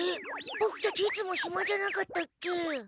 ボクたちいつもひまじゃなかったっけ？